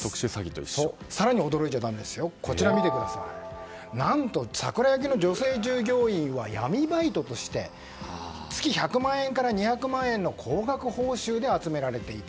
更に驚いちゃだめですよ何とサクラ役の女性従業員は闇バイトとして月１００万円から２００万円の高額報酬で集められていた。